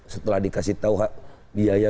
setelah dikasih tau biaya